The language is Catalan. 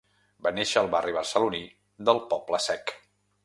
Va néixer al barri barceloní del Poble-sec.